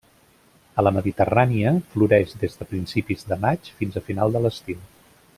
A la Mediterrània, floreix des de principis de maig fins a final de l'estiu.